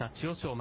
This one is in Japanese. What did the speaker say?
馬。